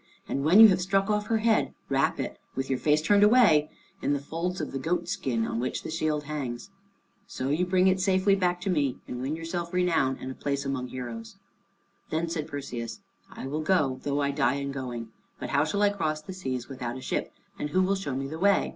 And when you have struck off her head, wrap it, with your face turned away, in the folds of the goat skin on which the shield hangs. So you bring it safely back to me and win yourself renown and a place among heroes." Then said Perseus, "I will go, though I die in going. But how shall I cross the seas without a ship? And who will show me the way?